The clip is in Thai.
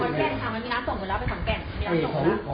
ของแก่นครับมีน้ำส่งหมดแล้วไปของแก่น